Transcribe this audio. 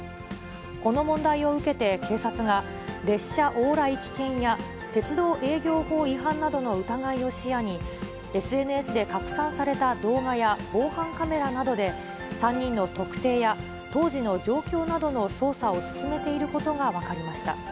この問題を受けて警察が、列車往来危険や、鉄道営業法違反などの疑いを視野に、ＳＮＳで拡散された動画や防犯カメラなどで、３人の特定や、当時の状況などの捜査を進めていることが分かりました。